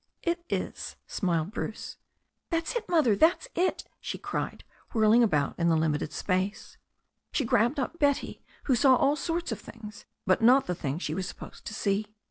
"It is," smiled Bruce. "That's it. Mother, that's it !" she cried, whirling about in the limited space. She grabbed up Betty, who saw all sorts of things, but not the thing she was supposed to see.